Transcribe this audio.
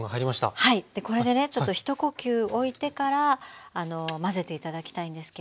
はいこれでねちょっと一呼吸おいてから混ぜて頂きたいんですけども。